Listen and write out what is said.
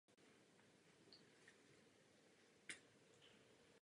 Vznikla nová skupina s názvem Hawker Siddeley Aircraft.